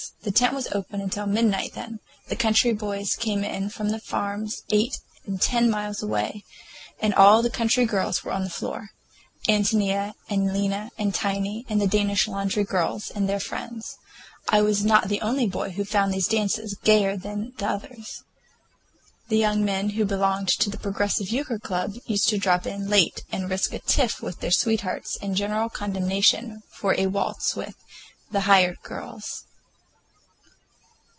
The tent was open until midnight then. The country boys came in from farms eight and ten miles away, and all the country girls were on the floor,—Ántonia and Lena and Tiny, and the Danish laundry girls and their friends. I was not the only boy who found these dances gayer than the others. The young men who belonged to the Progressive Euchre Club used to drop in late and risk a tiff with their sweethearts and general condemnation for a waltz with "the hired girls."